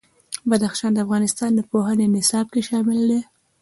بدخشان د افغانستان د پوهنې نصاب کې شامل دي.